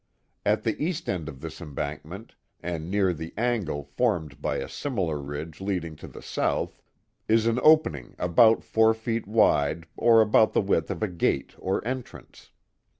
At the east end of this embankment, and near the angle formed by a similar ridge leading to the south, is an opening about four feet wide or about the width of a gate or entrance.